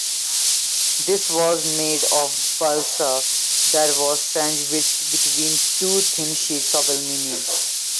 This was made of balsa that was sandwiched between two thin sheets of aluminum.